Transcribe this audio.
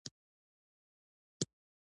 حال دا چې نه نظام حکومت دی.